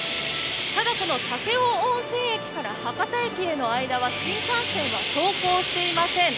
ただ、この武雄温泉駅から博多駅の間は新幹線は走行していません。